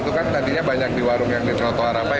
itu kan tadinya banyak di warung yang ditrotoh harapai